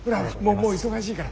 もう忙しいから。